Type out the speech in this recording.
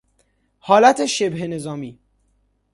حالت شبه نظامی